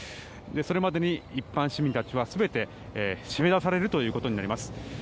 それまでに一般市民たちは全て締め出されることになります。